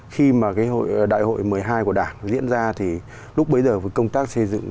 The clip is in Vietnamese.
khi đại hội một mươi hai của đảng diễn ra lúc bấy giờ công tác xây dựng